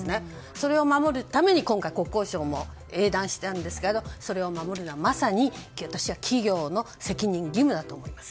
それを守るために今回、国交省も英断したんですけれどもそれを守るのはまさに私は企業の責任・義務だと思います。